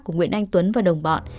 của nguyễn anh tuấn và đồng bọn